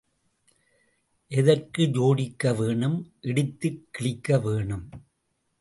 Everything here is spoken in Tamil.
எதற்கு ஜோடிக்க வேணும், இடித்துக் கிழிக்க வேணும்.